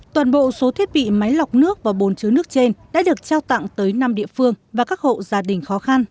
toàn bộ số thiết bị máy lọc nước và bồn chứa nước trên đã được trao tặng tới năm địa phương và các hộ gia đình khó khăn